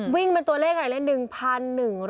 วิ่งเป็นตัวเลขอะไรเล่น๑๑๙๕